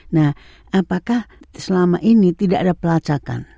nah apakah selama ini tidak ada pelacakan